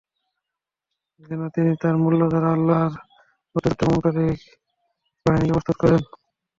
যেন তিনি তার মূল্য দ্বারা আল্লাহর পথে যুদ্ধে গমণকারী বাহিনীকে প্রস্তুত করেন।